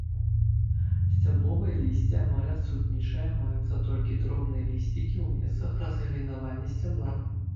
Сцябловае лісце амаль адсутнічае, маюцца толькі дробныя лісцікі ў месцах разгалінавання сцябла.